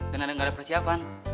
dan ada nggak ada persiapan